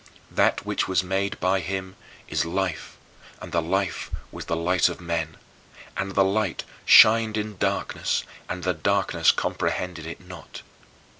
That which was made by him is "life, and the life was the light of men. And the light shined in darkness; and the darkness comprehended it not."